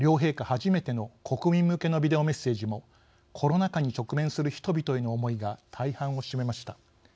初めての国民向けのビデオメッセージもコロナ禍に直面する人々への思いが大半を占めました。